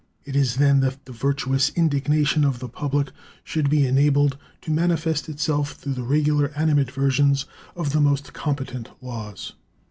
It is then that the virtuous indignation of the public should be enabled to manifest itself through the regular animadversions of the most competent laws.